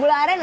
gula aren ada